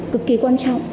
cực kỳ quan trọng